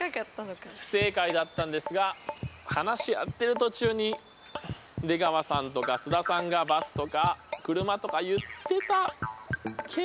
不正解だったんですが話し合ってる途中に出川さんとか須田さんがバスとか車とか言ってたけど。